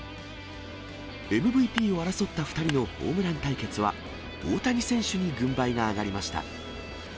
ＭＶＰを争った２人のホームラン対決は、大谷選手に軍配が上がりました。